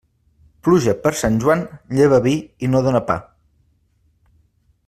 Pluja per Sant Joan, lleva vi i no dóna pa.